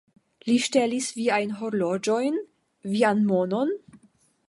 Li ŝtelis viajn horloĝojn, vian monon?